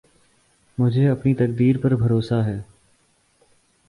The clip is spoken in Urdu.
مجھے اپنی تقدیر پر بھروسہ ہے